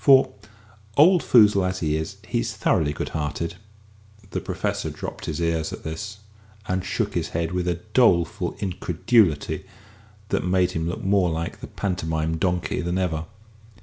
For, old foozle as he is, he's thoroughly good hearted." The Professor drooped his ears at this, and shook his head with a doleful incredulity that made him look more like the Pantomime Donkey than ever.